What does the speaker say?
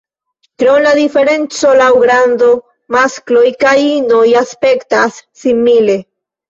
Krom la diferenco laŭ grando, maskloj kaj inoj aspektas simile.